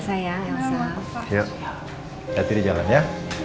saya hati di jalan ya